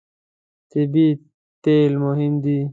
طبیعي تېل مهم دي.